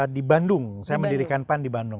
di bandung saya mendirikan pan di bandung